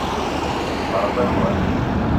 Wa gbele wass